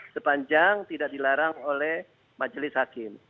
sepanjang tidak dilarang oleh majelis hakim